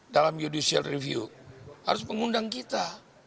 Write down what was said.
dalam judicial review harus mengundang kita